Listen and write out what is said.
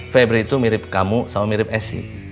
febri itu mirip kamu sama mirip essi